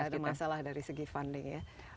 jadi tidak ada masalah dari segi funding ya